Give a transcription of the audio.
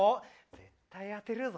絶対当てるぞ。